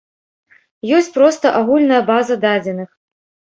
Ёсць проста агульная база дадзеных.